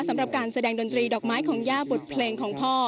สำหรับการแสดงดนตรีดอกไม้ของย่าบทเพลงของพ่อ